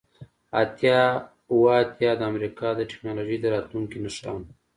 اتیا اوه اتیا د امریکا د ټیکنالوژۍ د راتلونکي نښان